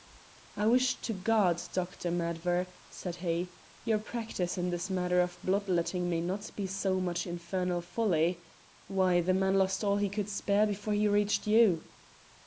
"I wish to God, Dr. Madver," said he, "your practice in this matter of blood letting may not be so much infernal folly. Why! the man lost all he could spare before he reached you."